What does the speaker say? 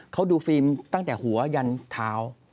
เขาดูฟิล์มตั้งแต่หัวยันเท้า